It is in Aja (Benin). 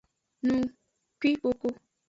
Nukwikoko.